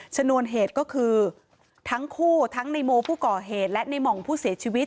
ชนวนเหตุก็คือทั้งคู่ทั้งในโมผู้ก่อเหตุและในหม่องผู้เสียชีวิต